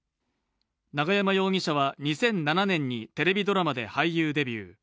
永山容疑者は２００７年にテレビドラマで俳優デビュー。